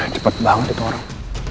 cepet banget itu orang